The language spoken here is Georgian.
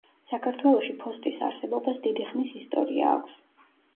საქართველოში ფოსტის არსებობას დიდი ხნის ისტორია აქვს.